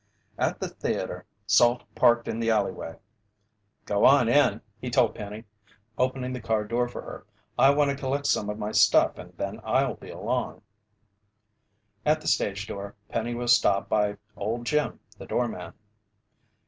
At the theater, Salt parked in the alleyway. "Go on in," he told Penny, opening the car door for her. "I want to collect some of my stuff and then I'll be along." At the stagedoor, Penny was stopped by Old Jim, the doorman.